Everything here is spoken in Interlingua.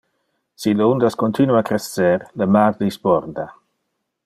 Si le undas continua crescer le mar disborda.